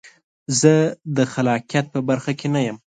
زه د خلاقیت په برخه کې نه یم.